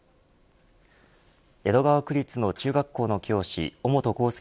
江戸川区立の中学校の教師尾本幸祐